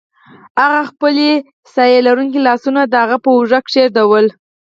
هغه خپل سیوري لرونکي لاسونه د هغه په اوږه کیښودل